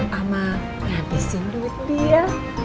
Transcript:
sama nyabisin duit dia